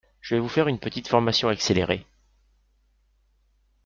Je vais vous faire une petite formation accélérée.